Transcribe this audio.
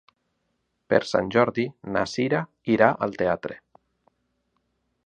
Per Sant Jordi na Sira irà al teatre.